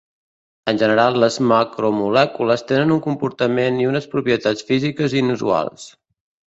En general, les macromolècules tenen un comportament i unes propietats físiques inusuals.